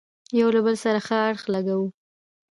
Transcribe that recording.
يو له بل سره ښه اړخ لګوو،